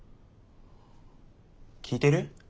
聞いてる？